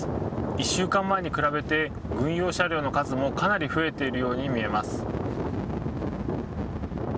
１週間前に比べて、軍用車両の数もかなり増えているように見えます。